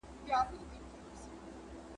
چرګ چي ځوان سي پر بام ورو ورو ځي `